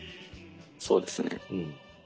そうですね。